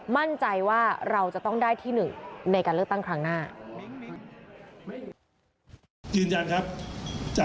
มั่นใจว่าเราจะต้องได้ที่หนึ่งในการเลือกตั้งครั้งหน้า